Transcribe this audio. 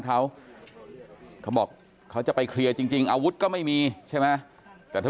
เขาเขาบอกเขาจะไปเคลียร์จริงอาวุธก็ไม่มีใช่ไหมแต่เธอ